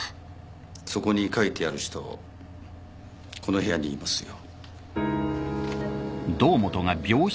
そこに書いてある人この部屋にいますよ